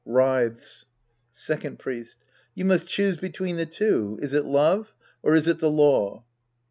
{Writhes^ Second Priest. You must choose between the two. Is it love, or is it the law